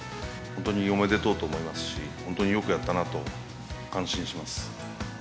本当におめでとうと思いますし、本当によくやったなと感心します。